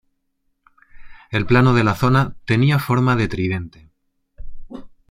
El plano de la zona tenía forma de tridente.